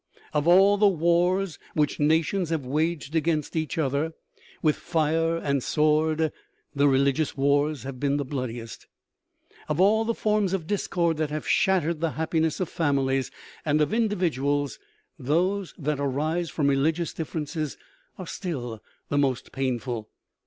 Of all the wars which nations have waged against each other with fire and sword the religious wars have been the bloodiest ; of all the forms of discord that have shat tered the happiness of families and of individuals those that arise from religious differences are still the most painful.